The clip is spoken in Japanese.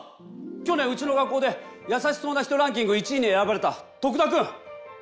去年うちの学校でやさしそうな人ランキング１位に選ばれた徳田くん！